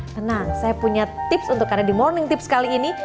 tenang saya punya tips untuk anda di morning tips kali ini